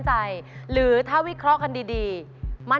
เชื่อพี่พี่เรียนมา